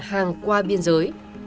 hàng qua biên giới